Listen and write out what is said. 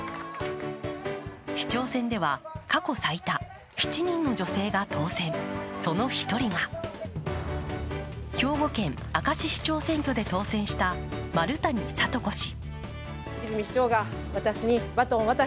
市長選では過去最多７人の女性が当選、その１人が兵庫県明石市長選挙で当選した丸谷聡子氏。